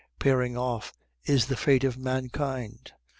Pairing off is the fate of mankind.